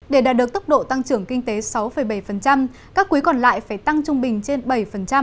để đạt được tốc độ tăng trưởng kinh tế sáu bảy các quý còn lại phải tăng trung bình trên bảy